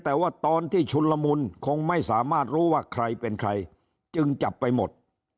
แต่ว่าตอนที่ชุนละมุนคงไม่สามารถรู้ว่าใครเป็นใครจึงจับไปหมด